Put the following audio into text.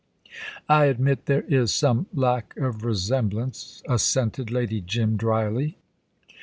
"I admit there is some lack of resemblance," assented Lady Jim, dryly.